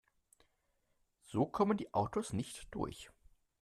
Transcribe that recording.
So kommen die Autos nicht durch.